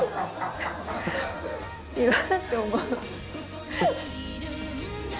いいなって思う。